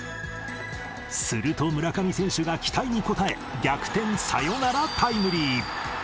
すると村上選手が期待に応え、逆転サヨナラタイムリー。